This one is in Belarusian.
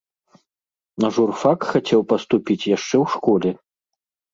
На журфак хацеў паступіць яшчэ ў школе.